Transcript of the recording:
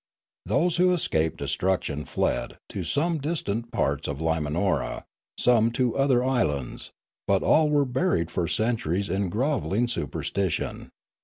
Those who escaped destruction fled, some to distant parts of Limanora, some to other islands; but all were buried for centuries in grovelling superstition.